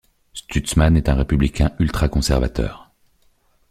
Stutzman est un républicain ultraconservateur.